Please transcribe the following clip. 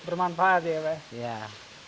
bermanfaat ya pak